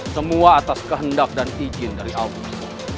semua atas kehendak dan izin dari allah